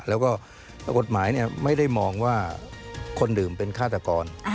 แล้วก็กฎหมายไม่ได้มองว่าคนดื่มเป็นฆาตกร